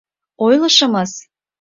— Ойлышымыс.